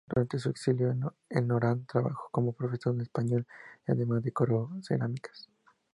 Durante su exilio en Orán trabajó como profesor de español y además decoró cerámicas.